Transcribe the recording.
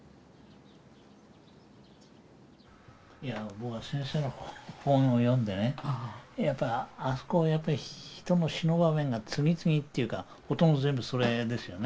僕は先生の本を読んでねやっぱりあそこは人の死ぬ場面が次々というかほとんど全部それですよね。